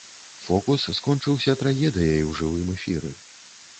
Фокус скончыўся трагедыяй у жывым эфіры.